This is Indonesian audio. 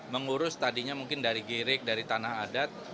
mengurus tadinya mungkin dari girik dari tanah adat